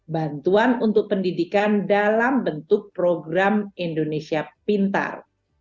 bantuan untuk pendidikan dalam bentuk program indonesia pintar